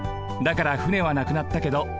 だから船はなくなったけど